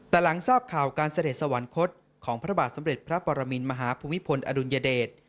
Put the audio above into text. แต่หลังทราบข่าวการเสด็จสวรรคตของพระบาทสมเด็จพระปรมินมหาภูมิพลอดุลยเดช